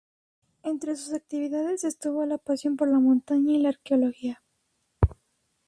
Entre sus actividades estuvo la pasión por la montaña y la arqueología.